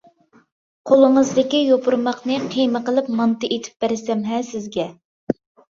-قولىڭىزدىكى يوپۇرماقنى قىيما قىلىپ مانتا ئېتىپ بەرسەم ھە سىزگە!